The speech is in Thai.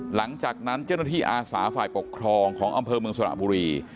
หลังจากนั้นเจ้าหน้าที่อาสาฝ่ายปกครองของอำเภอเมืองสระบุรี